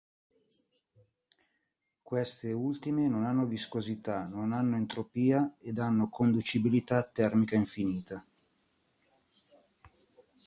Queste ultime non hanno viscosità, non hanno entropia ed hanno conducibilità termica infinita.